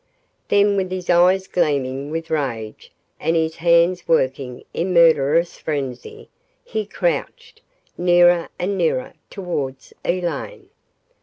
Then, with his eyes gleaming with rage and his hands working in murderous frenzy, he crouched, nearer and nearer, towards Elaine.